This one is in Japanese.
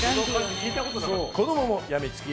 子どもも病みつき！